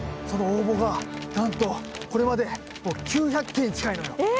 その応募がなんとこれまでもう９００件近いのよ。